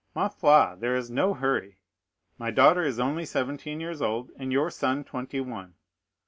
Ma foi, there is no hurry. My daughter is only seventeen years old, and your son twenty one.